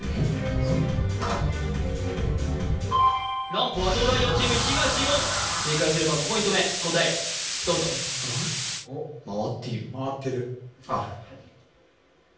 ランプは東大王チーム東言正解すれば５ポイント目答えをどうぞ回っているああ